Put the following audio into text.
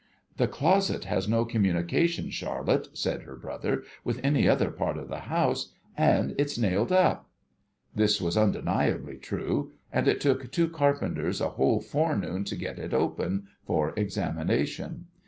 ' The closet has no communi cation, Charlotte,' said her brother, 'with any other part of the house, and it's nailed up.' This was undeniably true, and it took two carpenters a whole forenoon to get it open, for examination.